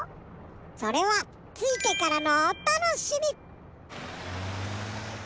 それはついてからのおたのしみ！